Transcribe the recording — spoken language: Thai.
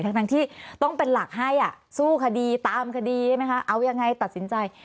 ทั้งที่ต้องเป็นหลักให้สู้คดีตามคดีใช่ไหมคะเอายังไงตัดสินใจ